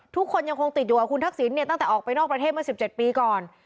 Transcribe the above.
ทุกคนยังคงติดอยู่กับคุณทักษิณเนี่ยตั้งแต่ออกไปนอกประเทศมา๑๗ปีก่อน